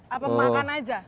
atau makan aja